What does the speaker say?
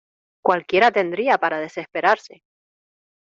¡ cualquiera tendría para desesperarse!